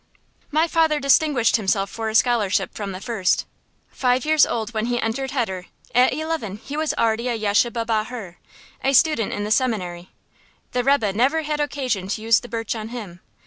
My father distinguished himself for scholarship from the first. Five years old when he entered heder, at eleven he was already a yeshibah bahur a student in the seminary. The rebbe never had occasion to use the birch on him.